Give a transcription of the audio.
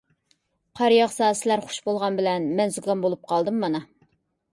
قار ياغسا سىلەر خۇش بولغان بىلەن، مەن زۇكام بولۇپ قالدىم مانا.